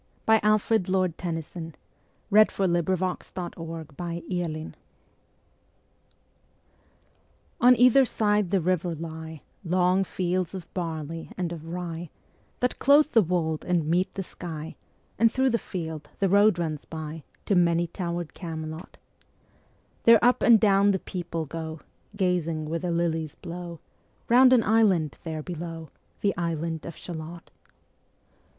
M N . O P . Q R . S T . U V . W X . Y Z The Lady of Shallot PART I ON EITHER side the river lie Long fields of barley and of rye, That clothe the wold and meet the sky; And thro' the field the road runs by Ā Ā To many tower'd Camelot; And up and down the people go, Gazing where the lilies blow Round an island there below, Ā Ā The island of Shalott.